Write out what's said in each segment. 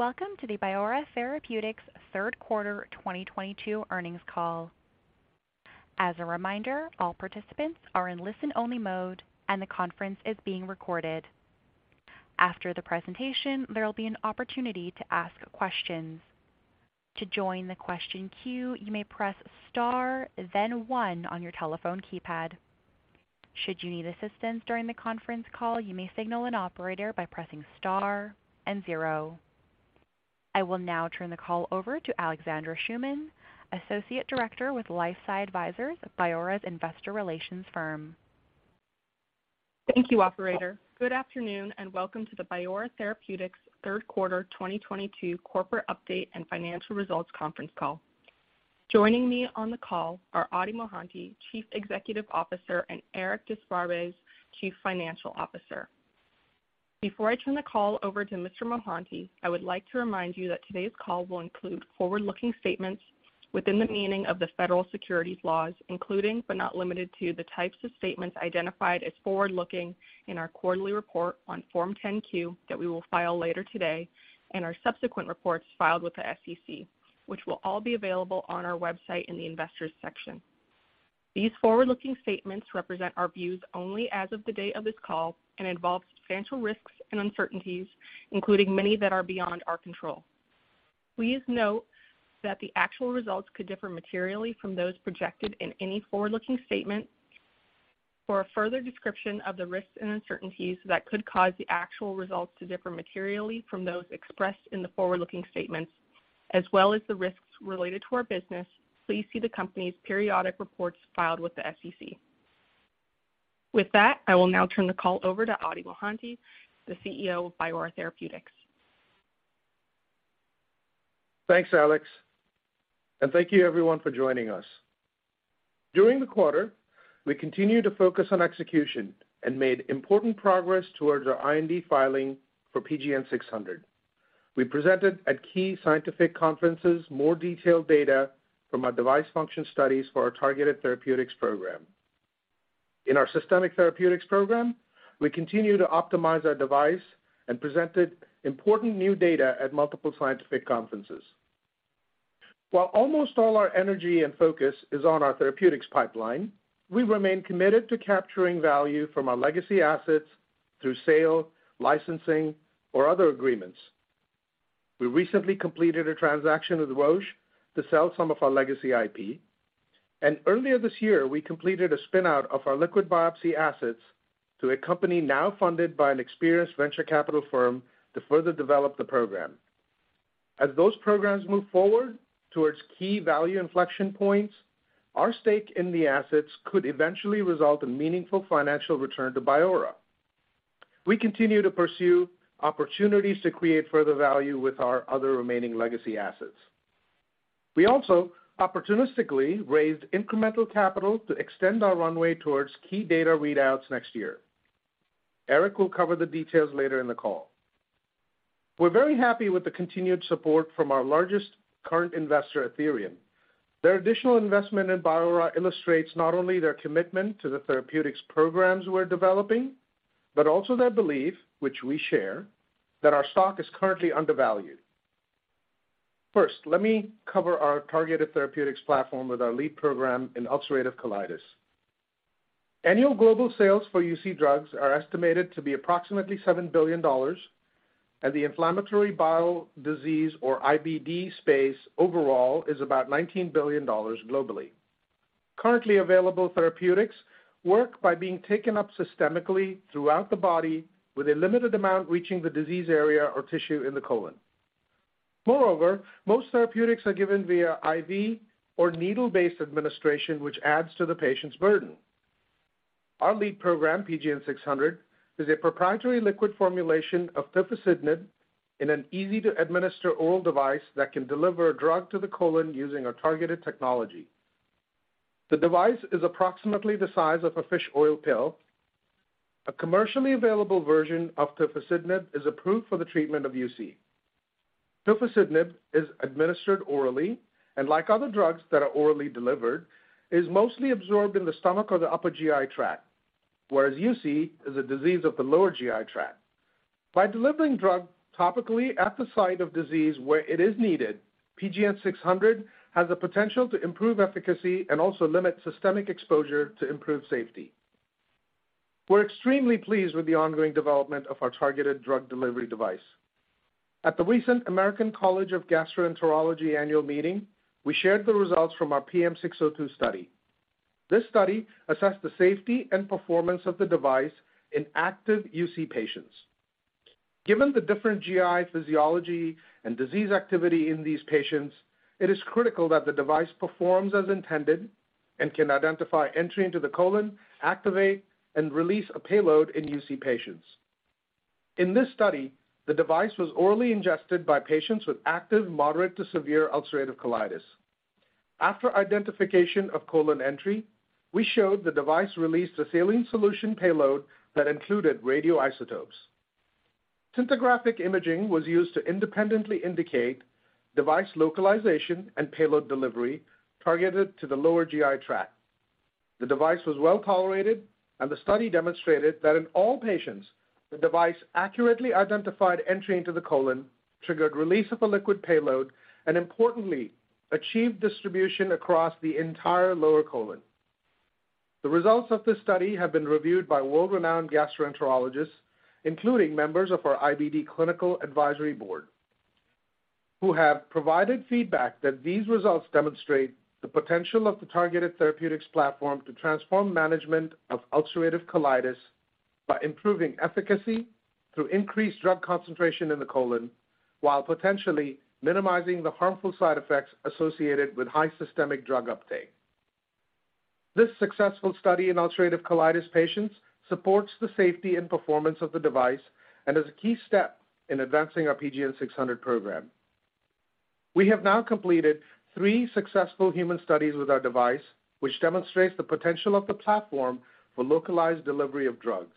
Welcome to the Biora Therapeutics third quarter 2022 earnings call. As a reminder, all participants are in listen-only mode, and the conference is being recorded. After the presentation, there will be an opportunity to ask questions. To join the question queue, you may press star then one on your telephone keypad. Should you need assistance during the conference call, you may signal an operator by pressing star and zero. I will now turn the call over to Alexandra Schuman, Associate Relationship Manager with LifeSci Advisors, Biora's investor relations firm. Thank you, operator. Good afternoon, and welcome to the Biora Therapeutics third quarter 2022 corporate update and financial results conference call. Joining me on the call are Adi Mohanty, Chief Executive Officer, and Eric d'Esparbès, Chief Financial Officer. Before I turn the call over to Mr. Mohanty, I would like to remind you that today's call will include forward-looking statements within the meaning of the federal securities laws, including, but not limited to, the types of statements identified as forward-looking in our quarterly report on Form 10-Q that we will file later today and our subsequent reports filed with the SEC, which will all be available on our website in the investors section. These forward-looking statements represent our views only as of the day of this call and involve substantial risks and uncertainties, including many that are beyond our control. Please note that the actual results could differ materially from those projected in any forward-looking statement. For a further description of the risks and uncertainties that could cause the actual results to differ materially from those expressed in the forward-looking statements, as well as the risks related to our business, please see the company's periodic reports filed with the SEC. With that, I will now turn the call over to Adi Mohanty, the CEO of Biora Therapeutics. Thanks, Alex, and thank you everyone for joining us. During the quarter, we continued to focus on execution and made important progress towards our IND filing for PGN-600. We presented at key scientific conferences more detailed data from our device function studies for our targeted therapeutics program. In our systemic therapeutics program, we continue to optimize our device and presented important new data at multiple scientific conferences. While almost all our energy and focus is on our therapeutics pipeline, we remain committed to capturing value from our legacy assets through sale, licensing, or other agreements. We recently completed a transaction with Roche to sell some of our legacy IP, and earlier this year we completed a spin-out of our liquid biopsy assets to a company now funded by an experienced venture capital firm to further develop the program. As those programs move forward towards key value inflection points, our stake in the assets could eventually result in meaningful financial return to Biora. We continue to pursue opportunities to create further value with our other remaining legacy assets. We also opportunistically raised incremental capital to extend our runway towards key data readouts next year. Eric will cover the details later in the call. We're very happy with the continued support from our largest current investor, Athyrium. Their additional investment in Biora illustrates not only their commitment to the therapeutics programs we're developing, but also their belief, which we share, that our stock is currently undervalued. First, let me cover our targeted therapeutics platform with our lead program in ulcerative colitis. Annual global sales for UC drugs are estimated to be approximately $7 billion, and the inflammatory bowel disease or IBD space overall is about $19 billion globally. Currently available therapeutics work by being taken up systemically throughout the body with a limited amount reaching the disease area or tissue in the colon. Moreover, most therapeutics are given via IV or needle-based administration, which adds to the patient's burden. Our lead program, PGN-600, is a proprietary liquid formulation of tofacitinib in an easy-to-administer oral device that can deliver a drug to the colon using our targeted technology. The device is approximately the size of a fish oil pill. A commercially available version of tofacitinib is approved for the treatment of UC. Tofacitinib is administered orally and, like other drugs that are orally delivered, is mostly absorbed in the stomach or the upper GI tract, whereas UC is a disease of the lower GI tract. By delivering drug topically at the site of disease where it is needed, PGN-600 has the potential to improve efficacy and also limit systemic exposure to improve safety. We're extremely pleased with the ongoing development of our targeted drug delivery device. At the recent American College of Gastroenterology annual meeting, we shared the results from our PM-602 study. This study assessed the safety and performance of the device in active UC patients. Given the different GI physiology and disease activity in these patients, it is critical that the device performs as intended and can identify entry into the colon, activate, and release a payload in UC patients. In this study, the device was orally ingested by patients with active moderate to severe ulcerative colitis. After identification of colon entry, we showed the device released a saline solution payload that included radioisotopes. Scintigraphic imaging was used to independently indicate device localization and payload delivery targeted to the lower GI tract. The device was well tolerated, and the study demonstrated that in all patients, the device accurately identified entry into the colon, triggered release of the liquid payload, and importantly, achieved distribution across the entire lower colon. The results of this study have been reviewed by world-renowned gastroenterologists, including members of our IBD Clinical Advisory Board, who have provided feedback that these results demonstrate the potential of the targeted therapeutics platform to transform management of ulcerative colitis by improving efficacy through increased drug concentration in the colon, while potentially minimizing the harmful side effects associated with high systemic drug uptake. This successful study in ulcerative colitis patients supports the safety and performance of the device and is a key step in advancing our PGN-600 program. We have now completed 3 successful human studies with our device, which demonstrates the potential of the platform for localized delivery of drugs.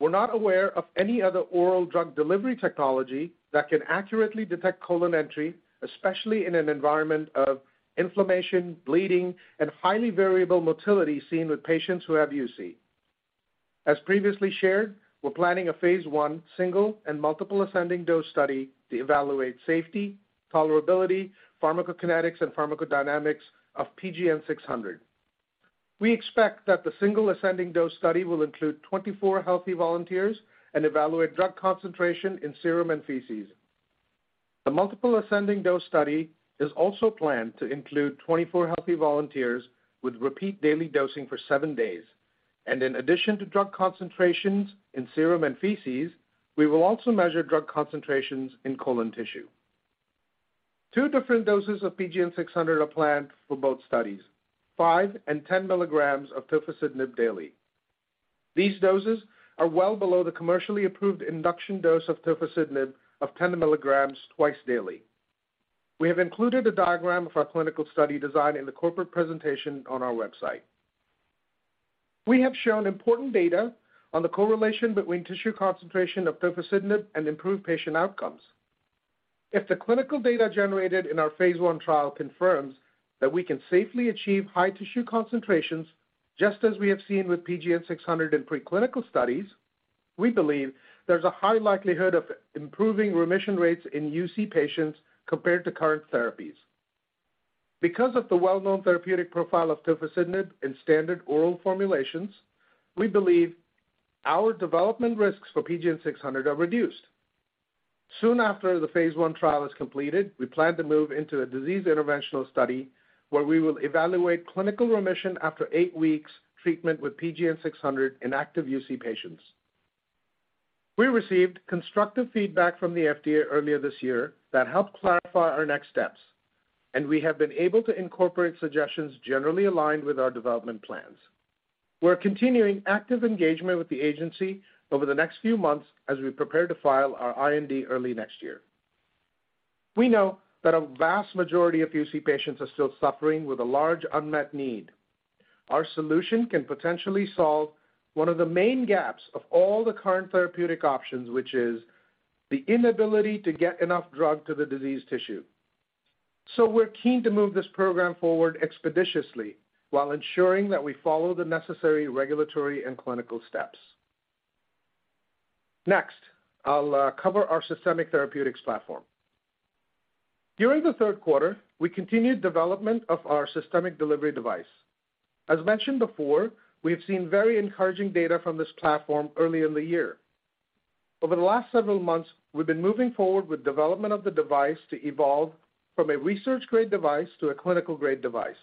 We're not aware of any other oral drug delivery technology that can accurately detect colon entry, especially in an environment of inflammation, bleeding, and highly variable motility seen with patients who have UC. As previously shared, we're planning a phase 1 single and multiple ascending dose study to evaluate safety, tolerability, pharmacokinetics, and pharmacodynamics of PGN-600. We expect that the single ascending dose study will include 24 healthy volunteers and evaluate drug concentration in serum and feces. The multiple ascending dose study is also planned to include 24 healthy volunteers with repeat daily dosing for 7 days. In addition to drug concentrations in serum and feces, we will also measure drug concentrations in colon tissue. Two different doses of PGN600 are planned for both studies, 5 and 10 milligrams of tofacitinib daily. These doses are well below the commercially approved induction dose of tofacitinib of 10 milligrams twice daily. We have included a diagram of our clinical study design in the corporate presentation on our website. We have shown important data on the correlation between tissue concentration of tofacitinib and improved patient outcomes. If the clinical data generated in our phase 1 trial confirms that we can safely achieve high tissue concentrations, just as we have seen with PGN600 in preclinical studies, we believe there's a high likelihood of improving remission rates in UC patients compared to current therapies. Because of the well-known therapeutic profile of tofacitinib in standard oral formulations, we believe our development risks for PGN600 are reduced. Soon after the phase 1 trial is completed, we plan to move into a disease interventional study where we will evaluate clinical remission after eight weeks treatment with PGN-600 in active UC patients. We received constructive feedback from the FDA earlier this year that helped clarify our next steps, and we have been able to incorporate suggestions generally aligned with our development plans. We're continuing active engagement with the agency over the next few months as we prepare to file our IND early next year. We know that a vast majority of UC patients are still suffering with a large unmet need. Our solution can potentially solve one of the main gaps of all the current therapeutic options, which is the inability to get enough drug to the diseased tissue. We're keen to move this program forward expeditiously while ensuring that we follow the necessary regulatory and clinical steps. Next, I'll cover our systemic therapeutics platform. During the third quarter, we continued development of our systemic delivery device. As mentioned before, we have seen very encouraging data from this platform early in the year. Over the last several months, we've been moving forward with development of the device to evolve from a research-grade device to a clinical-grade device.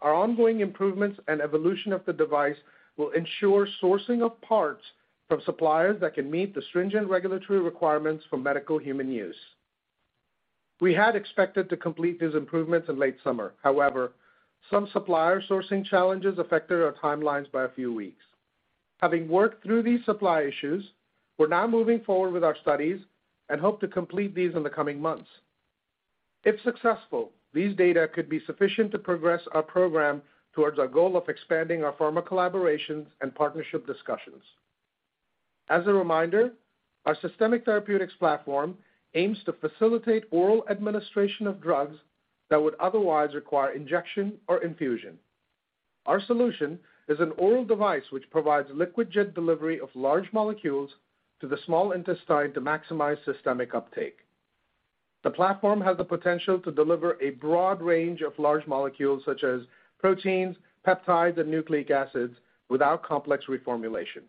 Our ongoing improvements and evolution of the device will ensure sourcing of parts from suppliers that can meet the stringent regulatory requirements for medical human use. We had expected to complete these improvements in late summer. However, some supplier sourcing challenges affected our timelines by a few weeks. Having worked through these supply issues, we're now moving forward with our studies and hope to complete these in the coming months. If successful, these data could be sufficient to progress our program towards our goal of expanding our pharma collaborations and partnership discussions. As a reminder, our systemic therapeutics platform aims to facilitate oral administration of drugs that would otherwise require injection or infusion. Our solution is an oral device which provides liquid jet delivery of large molecules to the small intestine to maximize systemic uptake. The platform has the potential to deliver a broad range of large molecules such as proteins, peptides, and nucleic acids without complex reformulation.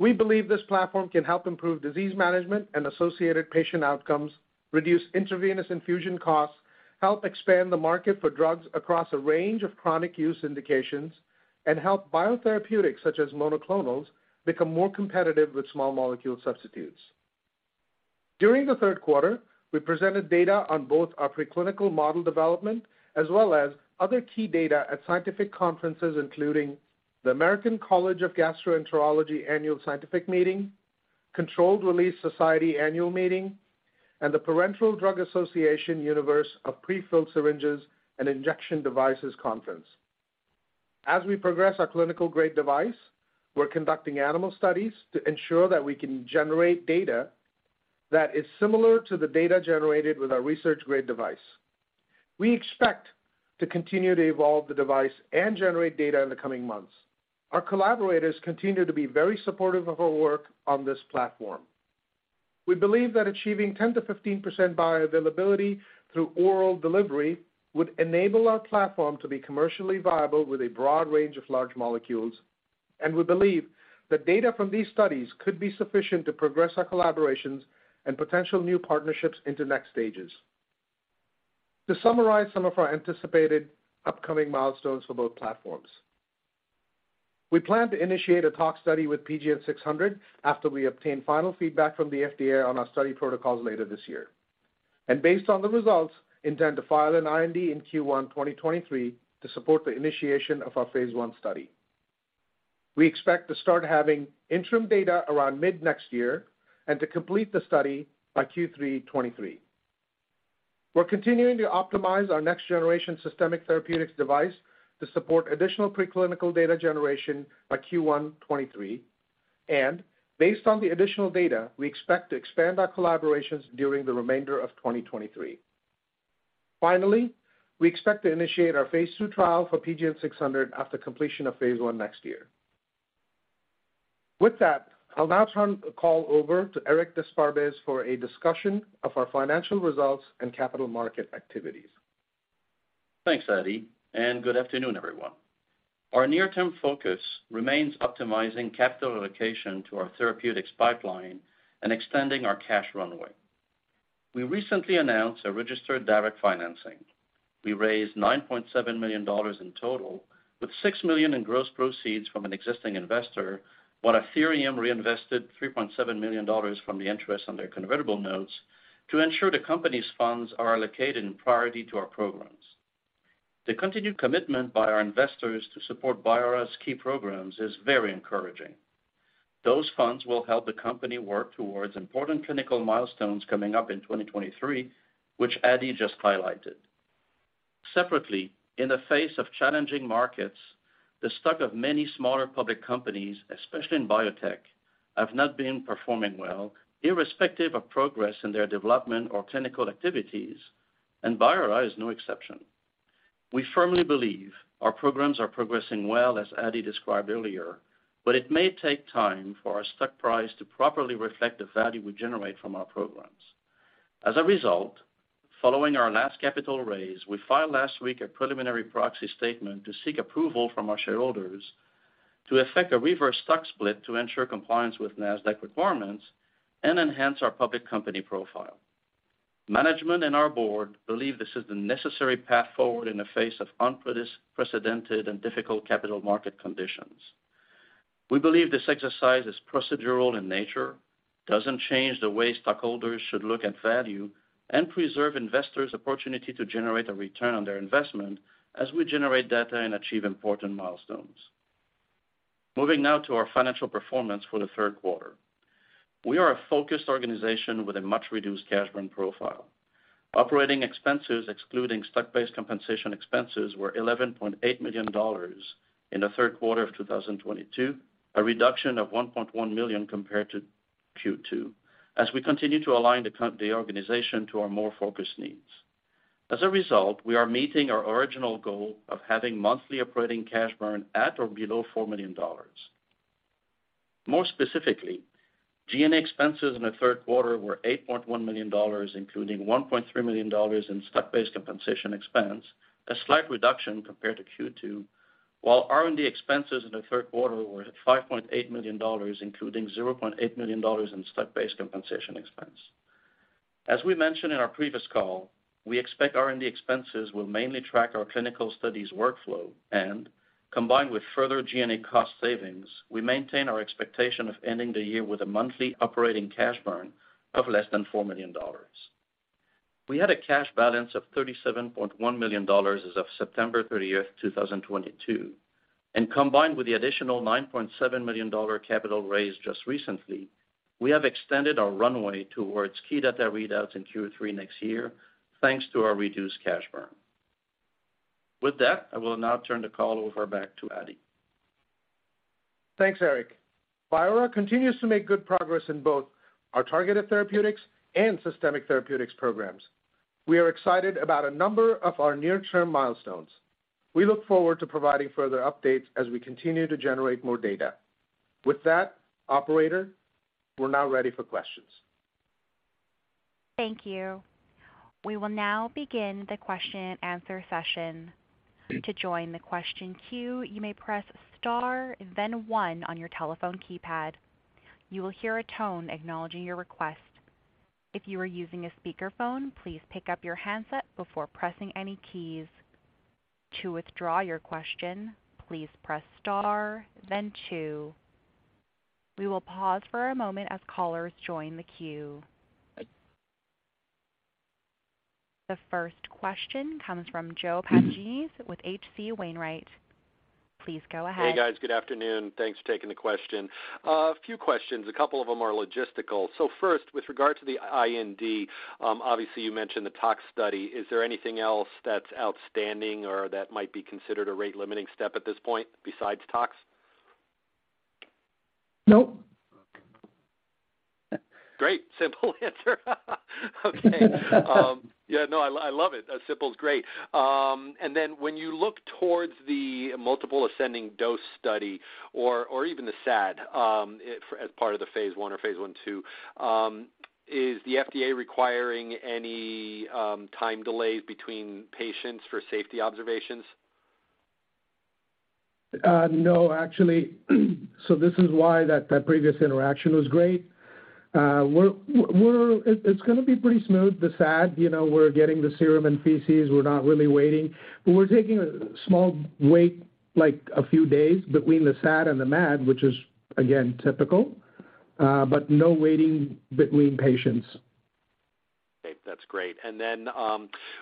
We believe this platform can help improve disease management and associated patient outcomes, reduce intravenous infusion costs, help expand the market for drugs across a range of chronic use indications, and help biotherapeutics such as monoclonals become more competitive with small molecule substitutes. During the third quarter, we presented data on both our preclinical model development as well as other key data at scientific conferences, including the American College of Gastroenterology Annual Scientific Meeting, Controlled Release Society Annual Meeting, and the Parenteral Drug Association Universe of Prefilled Syringes and Injection Devices Conference. As we progress our clinical-grade device, we're conducting animal studies to ensure that we can generate data that is similar to the data generated with our research-grade device. We expect to continue to evolve the device and generate data in the coming months. Our collaborators continue to be very supportive of our work on this platform. We believe that achieving 10%-15% bioavailability through oral delivery would enable our platform to be commercially viable with a broad range of large molecules, and we believe that data from these studies could be sufficient to progress our collaborations and potential new partnerships into next stages. To summarize some of our anticipated upcoming milestones for both platforms. We plan to initiate a tox study with PGN-600 after we obtain final feedback from the FDA on our study protocols later this year, and based on the results, intend to file an IND in Q1 2023 to support the initiation of our phase I study. We expect to start having interim data around mid-next year and to complete the study by Q3 2023. We're continuing to optimize our next-generation systemic therapeutics device to support additional preclinical data generation by Q1 2023. Based on the additional data, we expect to expand our collaborations during the remainder of 2023. Finally, we expect to initiate our phase II trial for PGN-600 after completion of phase I next year. With that, I'll now turn the call over to Eric d'Esparbes for a discussion of our financial results and capital market activities. Thanks, Adi, and good afternoon, everyone. Our near-term focus remains optimizing capital allocation to our therapeutics pipeline and extending our cash runway. We recently announced a registered direct financing. We raised $9.7 million in total, with $6 million in gross proceeds from an existing investor, while Athyrium reinvested $3.7 million from the interest on their convertible notes to ensure the company's funds are allocated in priority to our programs. The continued commitment by our investors to support Biora's key programs is very encouraging. Those funds will help the company work towards important clinical milestones coming up in 2023, which Adi just highlighted. Separately, in the face of challenging markets, the stock of many smaller public companies, especially in biotech, have not been performing well, irrespective of progress in their development or clinical activities, and Biora is no exception. We firmly believe our programs are progressing well, as Adi described earlier, but it may take time for our stock price to properly reflect the value we generate from our programs. As a result, following our last capital raise, we filed last week a preliminary proxy statement to seek approval from our shareholders to effect a reverse stock split to ensure compliance with Nasdaq requirements and enhance our public company profile. Management and our board believe this is the necessary path forward in the face of unprecedented and difficult capital market conditions. We believe this exercise is procedural in nature, doesn't change the way stockholders should look at value, and preserve investors' opportunity to generate a return on their investment as we generate data and achieve important milestones. Moving now to our financial performance for the third quarter. We are a focused organization with a much-reduced cash burn profile. Operating expenses excluding stock-based compensation expenses were $11.8 million in the third quarter of 2022, a reduction of $1.1 million compared to Q2, as we continue to align the organization to our more focused needs. As a result, we are meeting our original goal of having monthly operating cash burn at or below $4 million. More specifically, G&A expenses in the third quarter were $8.1 million, including $1.3 million in stock-based compensation expense, a slight reduction compared to Q2, while R&D expenses in the third quarter were $5.8 million, including $0.8 million in stock-based compensation expense. As we mentioned in our previous call, we expect R&D expenses will mainly track our clinical studies workflow and, combined with further G&A cost savings, we maintain our expectation of ending the year with a monthly operating cash burn of less than $4 million. We had a cash balance of $37.1 million as of September 30, 2022, and combined with the additional $9.7 million capital raise just recently, we have extended our runway towards key data readouts in Q3 next year, thanks to our reduced cash burn. With that, I will now turn the call over back to Adi. Thanks, Eric. Biora continues to make good progress in both our targeted therapeutics and systemic therapeutics programs. We are excited about a number of our near-term milestones. We look forward to providing further updates as we continue to generate more data. With that, operator, we're now ready for questions. Thank you. We will now begin the question and answer session. To join the question queue, you may press star then one on your telephone keypad. You will hear a tone acknowledging your request. If you are using a speakerphone, please pick up your handset before pressing any keys. To withdraw your question, please press star then two. We will pause for a moment as callers join the queue. The first question comes from Joseph Pantginis with H.C. Wainwright. Please go ahead. Hey, guys. Good afternoon. Thanks for taking the question. A few questions. A couple of them are logistical. First, with regard to the IND, obviously you mentioned the toxicology study. Is there anything else that's outstanding or that might be considered a rate-limiting step at this point besides tox? Nope. Great. Simple answer. Okay. Yeah, no, I love it. Simple is great. When you look towards the multiple ascending dose study or even the SAD, as part of the phase 1 or phase 1/2, is the FDA requiring any time delays between patients for safety observations? No, actually. This is why that previous interaction was great. It's gonna be pretty smooth, the SAD, you know. We're getting the serum and feces. We're not really waiting. We're taking a small wait, like a few days between the SAD and the MAD, which is again, typical, but no waiting between patients. Okay, that's great.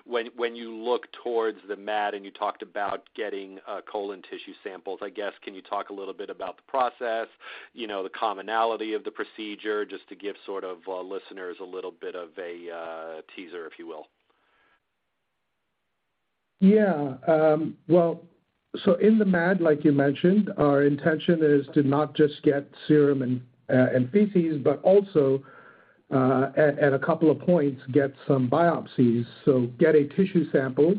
When you look towards the MAD, and you talked about getting colon tissue samples, I guess, can you talk a little bit about the process, you know, the commonality of the procedure, just to give sort of listeners a little bit of a teaser, if you will? Yeah. In the MAD, like you mentioned, our intention is to not just get serum and feces, but also at a couple of points, get some biopsies. Get a tissue sample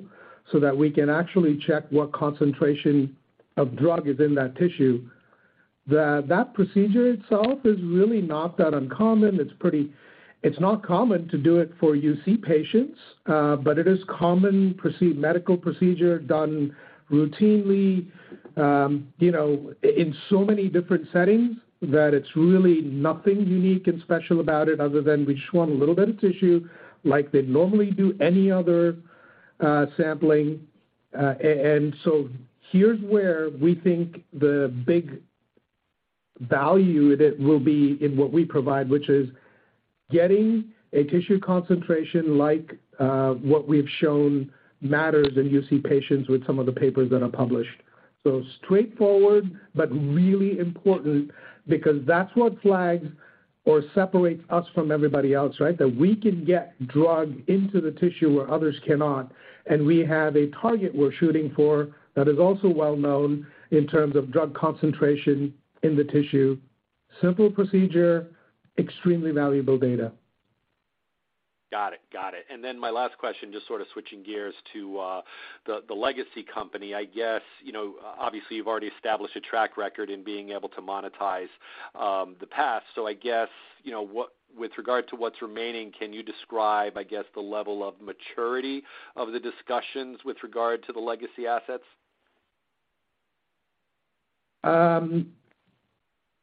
so that we can actually check what concentration of drug is in that tissue. That procedure itself is really not that uncommon. It's not common to do it for UC patients, but it is common medical procedure done routinely in so many different settings that it's really nothing unique and special about it other than we snare a little bit of tissue like they'd normally do any other sampling. Here's where we think the big value that will be in what we provide, which is getting a tissue concentration like what we've shown matters in UC patients with some of the papers that are published. Straightforward, but really important because that's what flags or separates us from everybody else, right? That we can get drug into the tissue where others cannot. We have a target we're shooting for that is also well known in terms of drug concentration in the tissue. Simple procedure, extremely valuable data. Got it. My last question, just sort of switching gears to the legacy company. I guess, you know, obviously, you've already established a track record in being able to monetize the past. I guess, you know, what with regard to what's remaining, can you describe, I guess, the level of maturity of the discussions with regard to the legacy assets?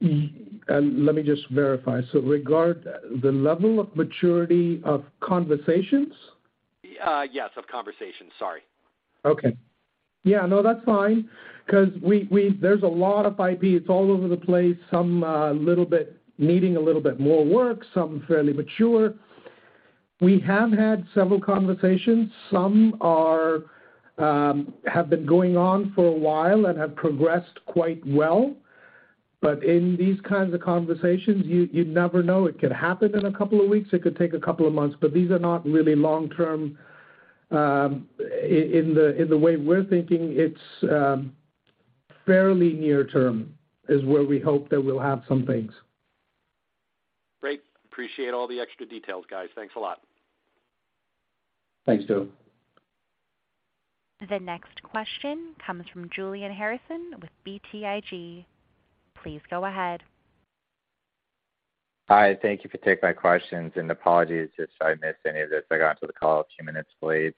Let me just verify. Regarding the level of maturity of conversations? Yes, of conversations. Sorry. Okay. Yeah, no, that's fine 'cause there's a lot of IP. It's all over the place, some needing a little bit more work, some fairly mature. We have had several conversations. Some have been going on for a while and have progressed quite well. In these kinds of conversations, you never know. It could happen in a couple of weeks, it could take a couple of months, but these are not really long-term in the way we're thinking. It's fairly near term is where we hope that we'll have some things. Great. Appreciate all the extra details, guys. Thanks a lot. Thanks, Joe. The next question comes from Julian Harrison with BTIG. Please go ahead. Hi, thank you for taking my questions and apologies if I missed any of this. I got into the call a few minutes late.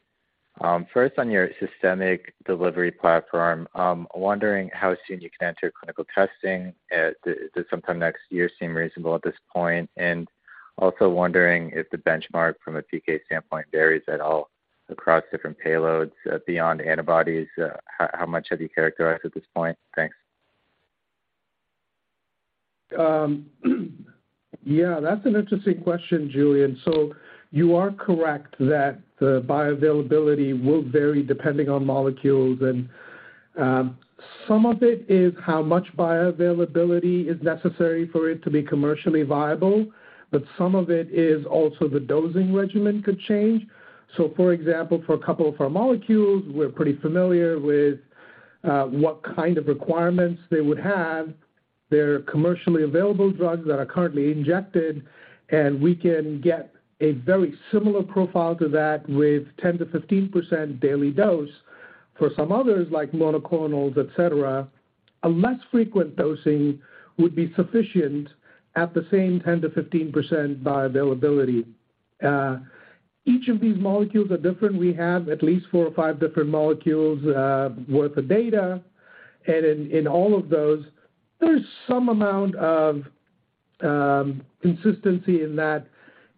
First on your systemic delivery platform, wondering how soon you can enter clinical testing. Does sometime next year seem reasonable at this point? Also wondering if the benchmark from a PK standpoint varies at all across different payloads beyond antibodies. How much have you characterized at this point? Thanks. Yeah, that's an interesting question, Julian. You are correct that the bioavailability will vary depending on molecules. Some of it is how much bioavailability is necessary for it to be commercially viable, but some of it is also the dosing regimen could change. For example, for a couple of our molecules, we're pretty familiar with what kind of requirements they would have. They're commercially available drugs that are currently injected, and we can get a very similar profile to that with 10%-15% daily dose. For some others, like monoclonals, et cetera, a less frequent dosing would be sufficient at the same 10%-15% bioavailability. Each of these molecules are different. We have at least four or five different molecules worth of data. In all of those, there's some amount of consistency in that.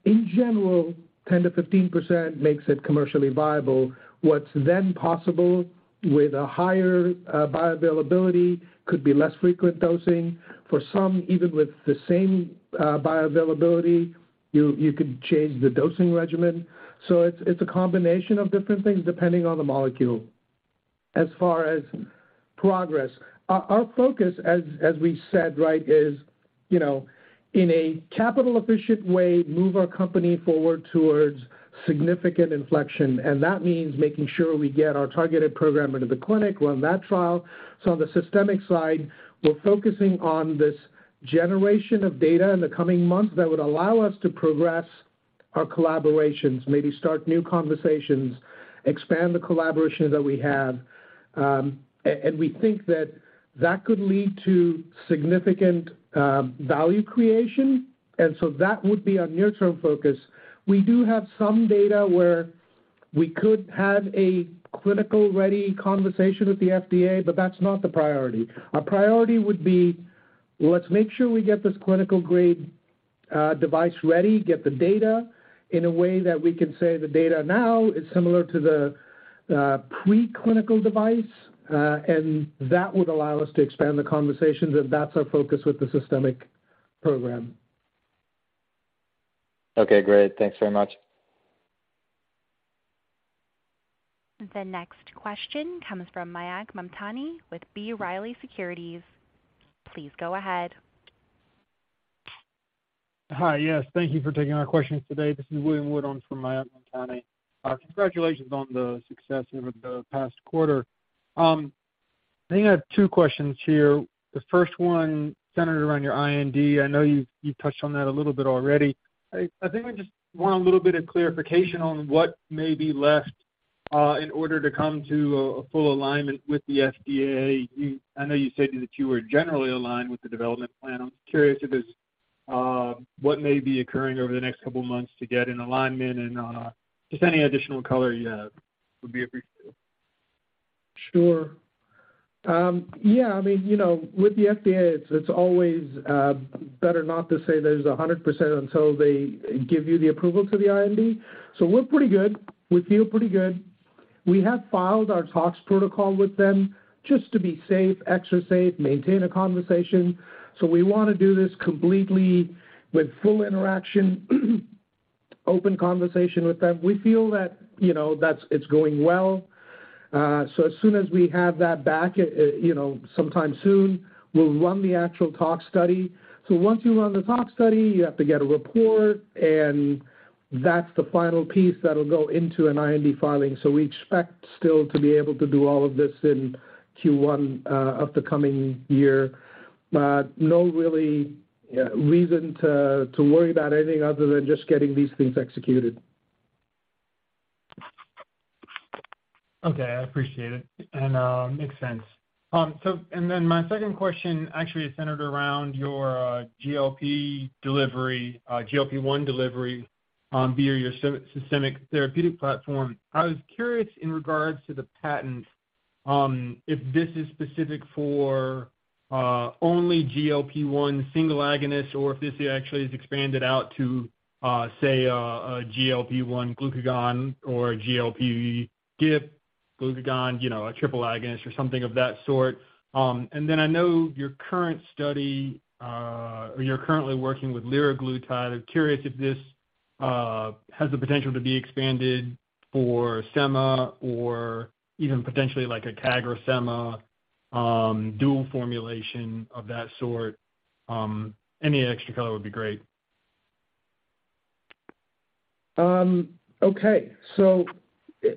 In general, 10%-15% makes it commercially viable. What's then possible with a higher bioavailability could be less frequent dosing. For some, even with the same bioavailability, you could change the dosing regimen. It's a combination of different things depending on the molecule. As far as progress, our focus as we said, right, is you know, in a capital efficient way, move our company forward towards significant inflection. That means making sure we get our targeted program into the clinic, run that trial. On the systemic side, we're focusing on this generation of data in the coming months that would allow us to progress our collaborations, maybe start new conversations, expand the collaborations that we have. We think that could lead to significant value creation. That would be our near-term focus. We do have some data where we could have a critical ready conversation with the FDA, but that's not the priority. Our priority would be, let's make sure we get this clinical grade device ready, get the data in a way that we can say the data now is similar to the preclinical device. That would allow us to expand the conversations, and that's our focus with the systemic program. Okay, great. Thanks very much. The next question comes from Mayank Mamtani with B. Riley Securities. Please go ahead. Hi. Yes, thank you for taking our questions today. This is William Wooten on from Mayank Mamtani. Congratulations on the success over the past quarter. I think I have two questions here. The first one centered around your IND. I know you touched on that a little bit already. I think we just want a little bit of clarification on what may be left in order to come to a full alignment with the FDA. I know you said that you were generally aligned with the development plan. I'm curious if it's what may be occurring over the next couple of months to get an alignment and just any additional color you have would be appreciated. Sure. Yeah, I mean, you know, with the FDA, it's always better not to say there's 100% until they give you the approval to the IND. We're pretty good. We feel pretty good. We have filed our tox protocol with them just to be safe, extra safe, maintain a conversation. We wanna do this completely with full interaction, open conversation with them. We feel that, you know, it's going well. As soon as we have that back, you know, sometime soon, we'll run the actual toxicology study. Once you run the toxicology study, you have to get a report, and that's the final piece that'll go into an IND filing. We expect still to be able to do all of this in Q1 of the coming year. No real reason to worry about anything other than just getting these things executed. Okay. I appreciate it. Makes sense. My second question actually is centered around your GLP delivery, GLP-1 delivery, via your systemic therapeutic platform. I was curious in regards to the patent, if this is specific for only GLP-1 single agonist or if this actually is expanded out to, say, a GLP-1 glucagon or a GLP-GIP glucagon, you know, a triple agonist or something of that sort. I know your current study, or you're currently working with liraglutide. I'm curious if this has the potential to be expanded for semaglutide or even potentially like a tirzepatide or semaglutide, dual formulation of that sort. Any extra color would be great. Okay.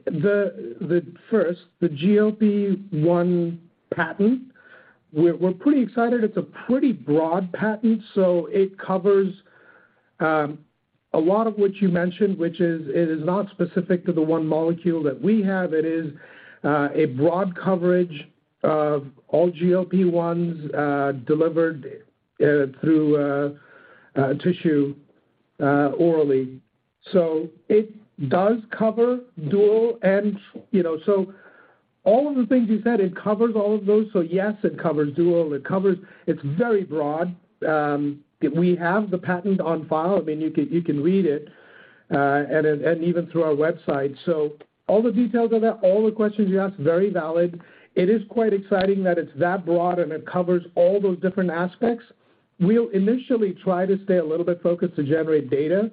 The first GLP-1 patent, we're pretty excited. It's a pretty broad patent, it covers a lot of which you mentioned, which is not specific to the one molecule that we have. It is a broad coverage of all GLP-1s delivered through tissue orally. It does cover dual. You know, all of the things you said, it covers all of those. Yes, it covers dual. It covers. It's very broad. We have the patent on file. I mean, you can read it and even through our website. All the details of that, all the questions you asked, very valid. It is quite exciting that it's that broad and it covers all those different aspects. We'll initially try to stay a little bit focused to generate data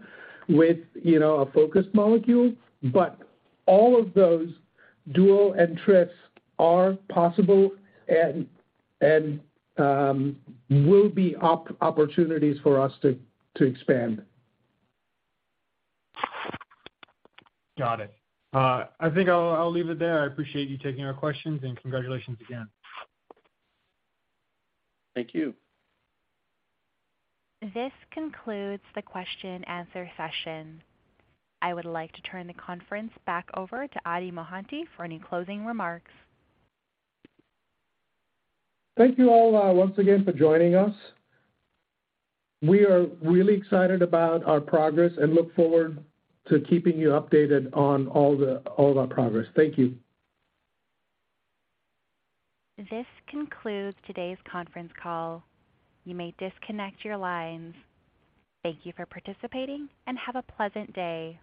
with, you know, a focused molecule, but all of those dual and tris are possible and will be opportunities for us to expand. Got it. I think I'll leave it there. I appreciate you taking our questions, and congratulations again. Thank you. This concludes the question and answer session. I would like to turn the conference back over to Adi Mohanty for any closing remarks. Thank you all, once again for joining us. We are really excited about our progress and look forward to keeping you updated on all of our progress. Thank you. This concludes today's conference call. You may disconnect your lines. Thank you for participating, and have a pleasant day.